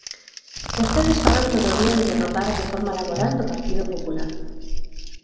Vostedes falan todo o día de derrogar a reforma laboral do Partido Popular.